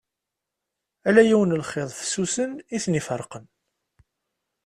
Ala yiwen n lxiḍ fessusen i ten-iferqen.